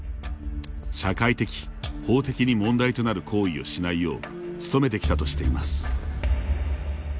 社会的、法的に問題となる行為をしないよう努めてきたとしています。